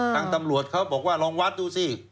ทางตำรวจเขาบอกว่าลองวัดดูสิ